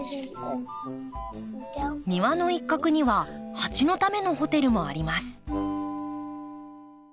庭の一角にはハチのためのホテルもあります。